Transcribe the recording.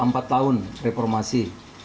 sudah dua puluh empat tahun reformasi